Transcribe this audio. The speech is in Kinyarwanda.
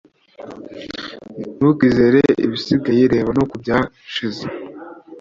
ntukizere ibisigaye reba no kubyasshize